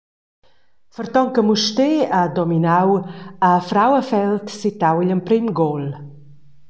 Ferton che Mustér ha dominau, ha Frauenfeld sittau igl emprem gol.